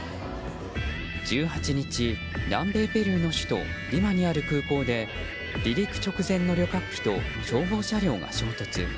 １８日、南米ペルーの首都リマにある空港で離陸直前の旅客機と消防車両が衝突。